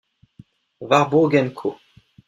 Warburg and Co.